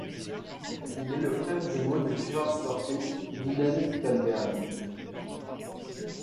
Il est le frère jumeau du tireur sportif Vilhelm Carlberg.